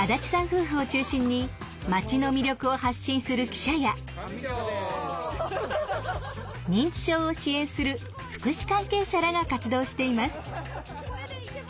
夫婦を中心に町の魅力を発信する記者や認知症を支援する福祉関係者らが活動しています。